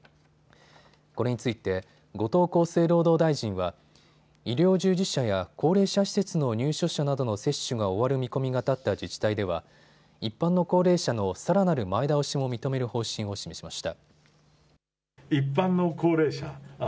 これについて後藤厚生労働大臣は医療従事者や高齢者施設の入所者などの接種が終わる見込みが立った自治体では一般の高齢者のさらなる前倒しも認める方針を示しました。